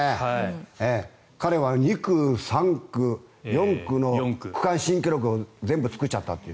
彼は２区、３区、４区の区間新記録を全部作っちゃったという。